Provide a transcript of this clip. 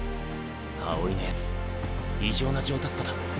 青井のやつ異常な上達度だ。